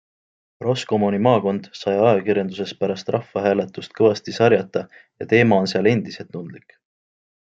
Roscommoni maakond sai ajakirjanduses pärast rahvahääletust kõvasti sarjata ja teema on seal endiselt tundlik.